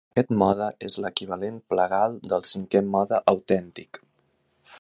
Aquest mode és l'equivalent plagal del cinquè mode autèntic.